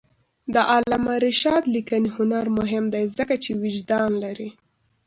د علامه رشاد لیکنی هنر مهم دی ځکه چې وجدان لري.